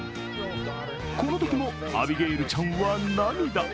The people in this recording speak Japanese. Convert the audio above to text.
このときもアビゲイルちゃんは涙。